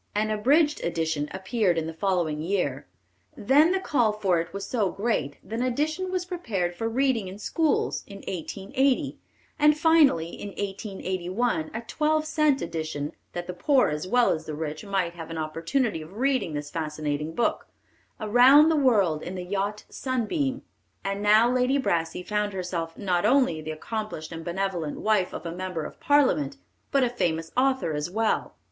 An abridged edition appeared in the following year; then the call for it was so great that an edition was prepared for reading in schools, in 1880, and finally, in 1881, a twelve cent edition, that the poor as well as the rich might have an opportunity of reading this fascinating book, Around the World in the Yacht Sunbeam. And now Lady Brassey found herself not only the accomplished and benevolent wife of a member of Parliament, but a famous author as well.